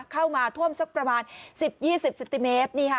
เข้ามาท่วมสักประมาณ๑๐๒๐สินติเมตรนี่ค่ะ